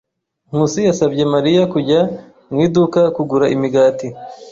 Nkusi yasabye Mariya kujya mu iduka kugura imigati.